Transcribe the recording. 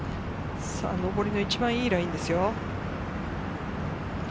上りの一番いいラインですよ。